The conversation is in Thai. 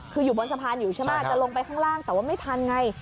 คืออยู่บนสะพานอยู่ใช่ไหมจะลงไปข้างล่างแต่ว่าไม่ทันไง